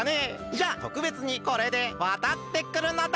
じゃあとくべつにこれでわたってくるのだ。